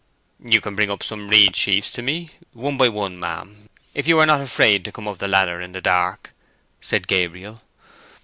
"You can bring up some reed sheaves to me, one by one, ma'am; if you are not afraid to come up the ladder in the dark," said Gabriel.